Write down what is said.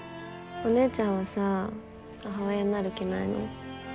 お姉ちゃんはさ母親になる気ないの？